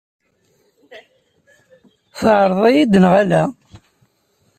Tɛeqleḍ-iyi-d neɣ ala?